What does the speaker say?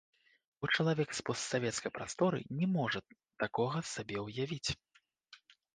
Бо чалавек з постсавецкай прасторы не можа такога сабе ўявіць.